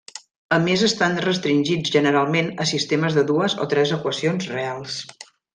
A més estan restringits generalment a sistemes de dues o tres equacions reals.